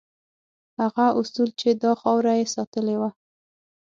هغه اصول چې دا خاوره یې ساتلې وه.